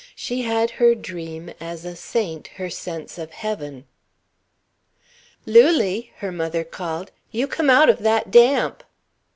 She had her dream as a saint her sense of heaven. "Lulie!" her mother called. "You come out of that damp."